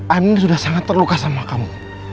ani sudah sangat terluka sama kamu